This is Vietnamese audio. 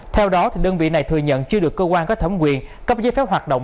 theo đó đơn vị này thừa nhận chưa được cơ quan có thẩm quyền cấp giấy phép hoạt động